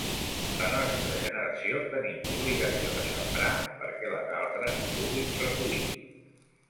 La nostra generació tenim l'obligació de sembrar perquè les altres puguin recollir.